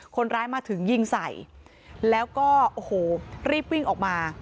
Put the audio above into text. คนร้ายมาถึงยิงใส่แล้วก็โอ้โหรีบวิ่งออกมา